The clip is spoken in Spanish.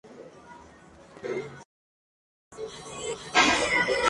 En las barras pude mantener las posturas donde debía y pude volar cuando debía.